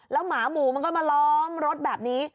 หมาหมูมันก็มาล้อมรถแบบนี้